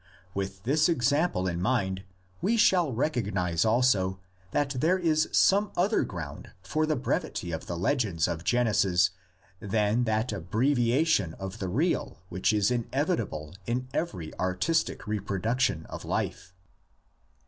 With this example in mind we shall recognise also that there is some other ground for the brevity of the legends of Genesis than that abbreviation of the real which is inevitable in every artistic reproduction of life.